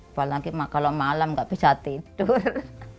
apalagi kalau malam nggak bisa tidur